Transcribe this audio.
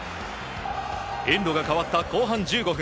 エンドが変わった後半１５分